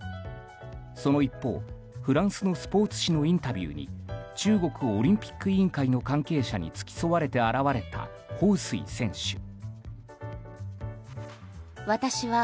その一方、フランスのスポーツ紙のインタビューに中国オリンピック委員会の関係者に付き添われて現れたホウ・スイ選手。